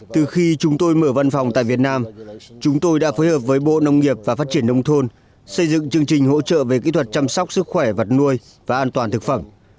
từ khi chúng tôi mở văn phòng tại việt nam chúng tôi đã phối hợp với bộ nông nghiệp và phát triển nông thôn xây dựng chương trình hỗ trợ về kỹ thuật chăm sóc sức khỏe vật nuôi và an toàn thực phẩm